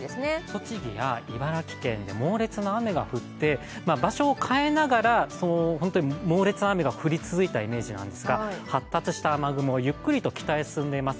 栃木や茨城県で猛烈な雨が降って、場所を変えながら本当に猛烈な雨が降り続いたイメージなんですが発達した雨雲、ゆっくりと北へ進んでいます。